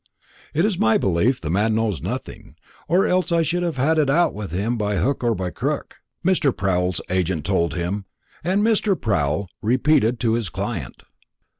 "It's my belief the man knows nothing, or else I should have had it out of him by hook or by crook," Mr. Proul's agent told him, and Mr. Proul repeated to his client.